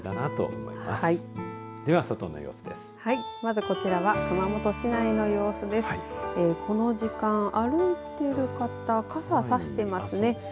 この時間歩いている方傘差してますね。